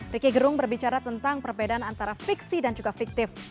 riki gerung berbicara tentang perbedaan antara fiksi dan juga fiktif